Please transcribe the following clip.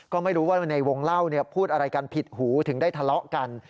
ก็ไม่รู้ว่าในวงเล่าพูดอะไรกันผิดหูถึงได้ทะเลาะกัน